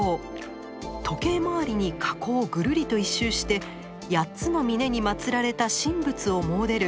時計回りに火口をぐるりと１周して８つの峰にまつられた神仏を詣でる